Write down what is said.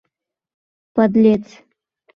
Подлец!